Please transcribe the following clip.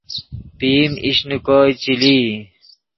پئیم ایش نے کوئے چے لئی